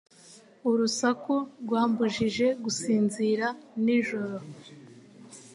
Urusaku rwambujije gusinzira nijoro.